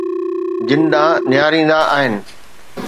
جن ڏانهن نهاريندا آهن.